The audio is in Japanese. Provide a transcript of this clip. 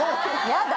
やだ。